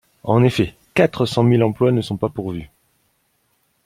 En effet, quatre cent mille emplois ne sont pas pourvus